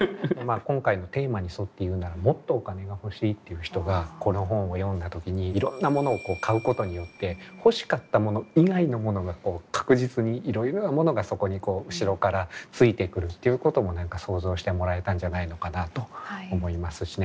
今回のテーマに沿って言うならもっとお金が欲しいっていう人がこの本を読んだ時にいろんな物を買うことによって欲しかった物以外のものが確実にいろいろなものがそこに後ろから付いて来るっていうことも何か想像してもらえたんじゃないのかなと思いますしね。